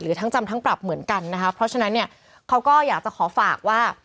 ทั้งจำทั้งปรับเหมือนกันนะคะเพราะฉะนั้นเนี่ยเขาก็อยากจะขอฝากว่า